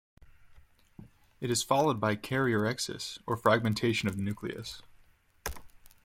It is followed by karyorrhexis, or fragmentation of the nucleus.